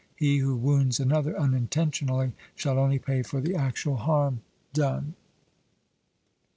He who wounds another unintentionally shall only pay for the actual harm done.